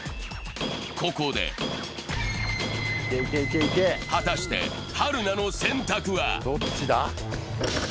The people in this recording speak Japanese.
ここで果たして、春菜の選択は？